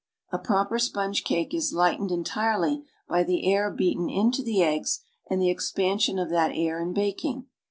A proper sponge cake is lightened entirely by the air beaten into the eggs and the expansion of that air in baking.